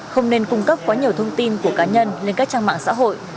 không nên cung cấp quá nhiều thông tin của cá nhân lên các trang mạng xã hội